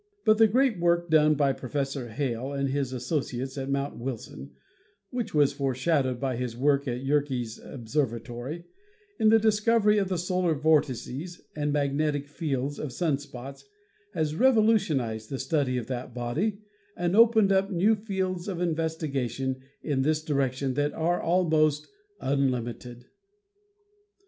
But the great work done by Professor Hale and his associates at Mount Wilson (which was foreshadowed by his work at the Yerkes Observatory) in the discovery of the solar vortices and magnetic fields of sun spots has revolutionized the study of that body and opened up new fields of investigation in this direction that are almost unlimited.